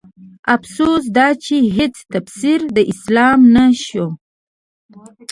افسوس دا چې هيڅ تفسير د اسلام نه شوم